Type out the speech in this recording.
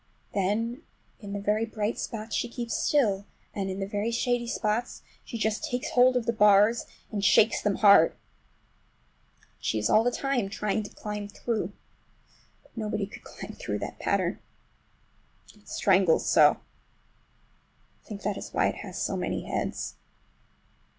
Then in the very bright spots she keeps still, and in the very shady spots she just takes hold of the bars and shakes them hard. And she is all the time trying to climb through. But nobody could climb through that pattern—it strangles so; I think that is why it has so many heads.